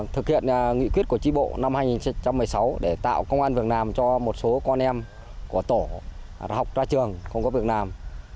thực hiện nghị quyết của tri bộ năm hai nghìn một mươi sáu để tạo công an việt nam cho một số con em của tổ học ra trường không có việt nam